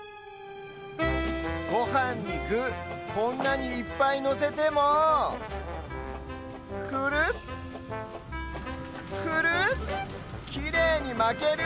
ごはんにぐこんなにいっぱいのせてもクルクルきれいにまける！